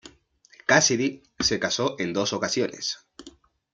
Cassidy se casó en dos ocasiones.